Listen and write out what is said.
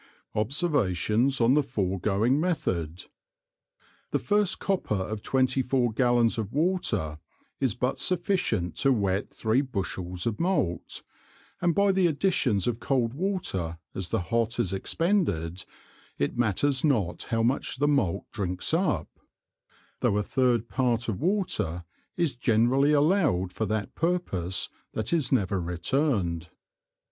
Observations on the foregoing Method. The first Copper of twenty four Gallons of water is but sufficient to wet three Bushels of Malt, and by the additions of cold water as the hot is expended, it matters not how much the Malt drinks up: Tho' a third part of water is generally allowed for that purpose that is never returned.